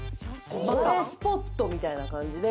映えスポットみたいな感じで。